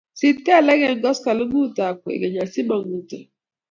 sit kelek eng' koskoleng'utab kwekeny asima ng'uto